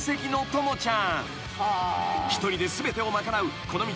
［一人で全てを賄うこの道